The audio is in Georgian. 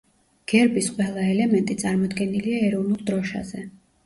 გერბის ყველა ელემენტი წარმოდგენილია ეროვნულ დროშაზე.